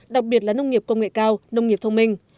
đặc biệt là nông nghiệp công nghệ cao nông nghiệp thông minh